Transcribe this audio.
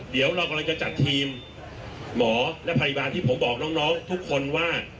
เดี๋ยวเรากำลังจะจัดทีมหมอและพยาบาลที่ผมบอกน้องทุกคนว่า